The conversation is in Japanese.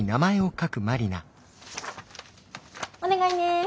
お願いね。